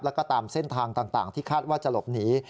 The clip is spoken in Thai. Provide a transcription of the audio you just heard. แล้วก็ตามเส้นทางต่างที่คาดว่าจะหลบหนี